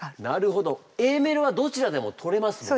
Ａメロはどちらでもとれますもんね。